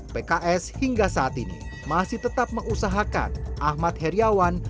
pks hingga saat ini masih tetap mengusahakan ahmad heriawan